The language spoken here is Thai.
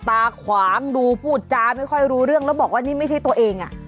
ตาขวางดูพูดจาไม่ค่อยรู้เรื่องแล้วบอกว่านี่ไม่ใช่ตัวเองอ่ะ